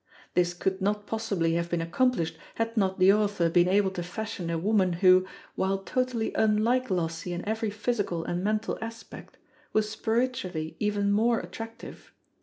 This could not possibly have been accomplished had not the author been able to fashion a woman, who, while totally unlike Lossie in every physical and mental aspect, was spiritually even more attractive.